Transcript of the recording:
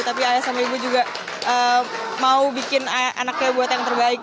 tapi ayah sama ibu juga mau bikin anaknya buat yang terbaik